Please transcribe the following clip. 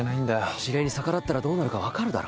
指令に逆らったらどうなるか分かるだろ。